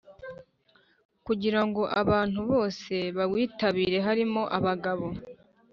kugira ngo abantu bose bawitabire harimo abagabo,